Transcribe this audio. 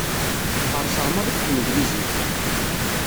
Qqerseɣ maḍi deg tneglizit.